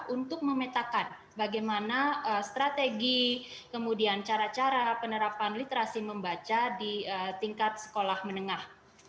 untuk memetakan bagaimana strategi kemudian cara cara penerapan literasi membaca di tingkat sekolah menengah